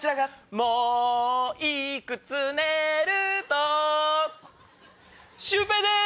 もういくつねるとシュウペイです！